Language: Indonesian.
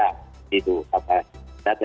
tentu itu semua kan ada